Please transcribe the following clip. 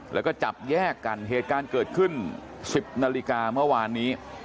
แล้วก็จับแยกกันเหตุการณ์เกิดขึ้น๑๐นาฬิกาเมื่อวานนี้